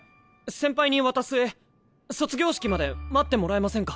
先輩に渡す絵卒業式まで待ってもらえませんか？